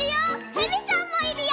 へびさんもいるよ！